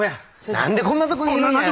何でこんなとこにいるんや！